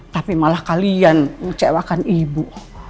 tapi malah kalian mengecewakan ibu